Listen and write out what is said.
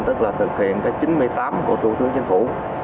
tức là thực hiện cái chín mươi tám của thủ tướng chính phủ